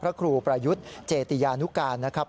พระครูประยุทธ์เจติยานุการนะครับ